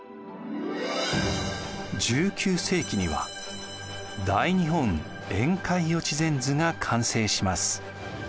１９世紀には「大日本沿海輿地全図」が完成します。